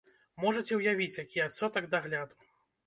Можаце ўявіць, які адсотак дагляду!